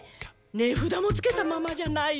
ねふだもつけたままじゃないの。